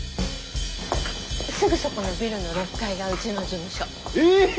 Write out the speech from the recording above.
すぐそこのビルの６階がうちの事務所。え！